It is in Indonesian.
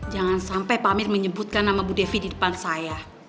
jangan sampai pak amir menyebutkan nama bu devi di depan saya